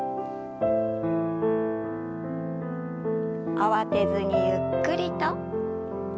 慌てずにゆっくりと。